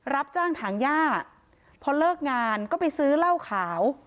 รับจ้างถางย่าพอเลิกงานก็ไปซื้อเหล้าขาว